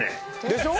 でしょ？